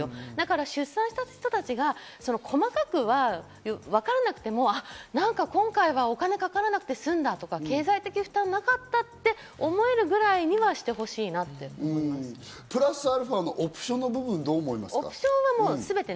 出産した人たちが、細かくはわからなくても、あぁ何か今回はお金がかからなくて済んだとか、最悪、負担がなかったって思えるぐらいには、してほしいなって思プラスアルファのオプションはどうですか？